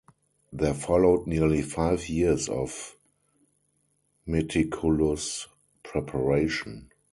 There followed nearly five years of meticulous preparation.